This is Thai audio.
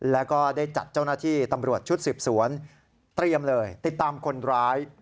แล้วก็ได้จัดเจ้าหน้าที่ตำรวจชุดสืบสวนเตรียมเลยติดตามคนร้าย